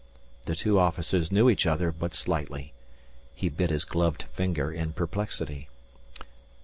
The two officers knew each other but slightly. He bit his gloved finger in perplexity.